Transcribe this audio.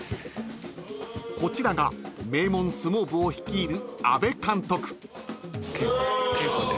［こちらが名門相撲部を率いる］